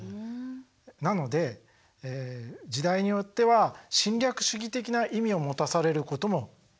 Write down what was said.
なので時代によっては侵略主義的な意味を持たされることもありました。